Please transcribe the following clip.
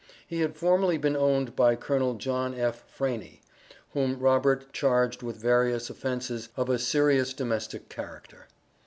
He had formerly been owned by Col. John F. Franie, whom Robert charged with various offences of a serious domestic character.